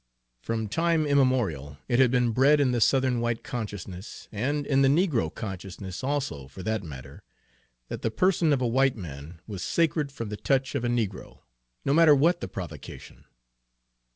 From time immemorial it had been bred in the Southern white consciousness, and in the negro consciousness also, for that matter, that the person of a white man was sacred from the touch of a negro, no matter what the provocation.